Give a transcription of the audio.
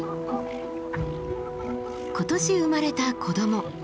今年生まれた子ども。